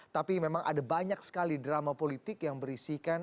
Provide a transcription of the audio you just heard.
tapi memang ada banyak sekali drama politik yang berisikan